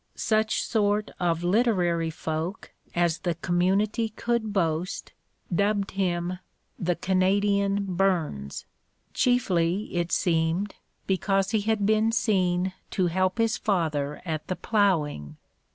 Such sort of literary folk as the community could boast dubbed him "The Canadian Burns," chiefly, it seemed, because he had been seen to help his father at the ploughing.